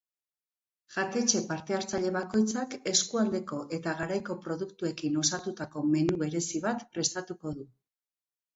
Jatetxe parte-hartzaile bakoitzak eskualdeko eta garaiko produktuekin osatutako menu berezi bat prestatuko du.